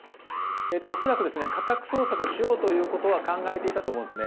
恐らく家宅捜索をしようということは考えていたと思うんですね。